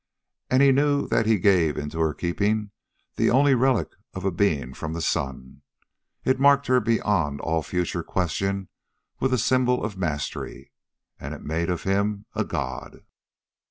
And he knew that he gave into her keeping their only relic of a being from the sun. It marked her beyond all future question with a symbol of mastery. And it made of him a god.